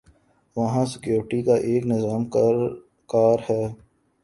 وہاں سکیورٹی کا ایک نظام کار ہے۔